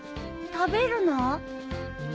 食べるの？